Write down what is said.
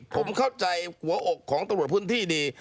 ผมเข้าใจหัวอกของตำรวจพื้นที่ดี